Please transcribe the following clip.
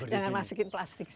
jangan masukin plastik